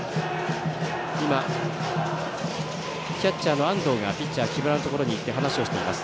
キャッチャーの安藤が木村のところに行って話をしています。